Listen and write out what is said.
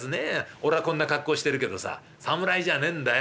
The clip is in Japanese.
俺はこんな格好してるけどさ侍じゃねえんだよ